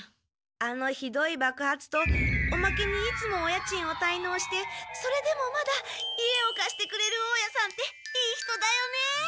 あのひどいばく発とおまけにいつもお家賃をたいのうしてそれでもまだ家を貸してくれる大家さんっていい人だよね。